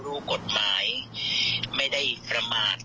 รู้กฎหมายไม่ได้ประมาท